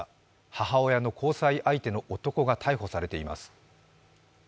母親の交際相手の男が逮捕されています。